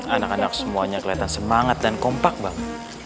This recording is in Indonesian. anak anak semuanya kelihatan semangat dan kompak banget bang